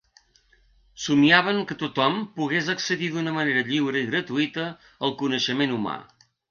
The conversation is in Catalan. Somniaven que tothom pogués accedir d’una manera lliure i gratuïta al coneixement humà.